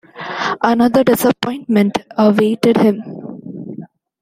Another disappointment awaited him